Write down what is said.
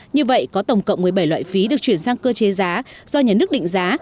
như vậy có tổng cộng một mươi bảy loại phí được chuyển sang cơ chế giá do nhà nước định giá